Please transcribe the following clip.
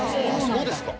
そうですか！